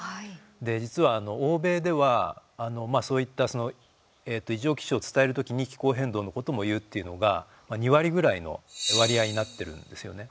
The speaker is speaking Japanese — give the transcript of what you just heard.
実は欧米では、そういった異常気象を伝える時に気候変動のことも言うっていうのが、２割ぐらいの割合になってるんですよね。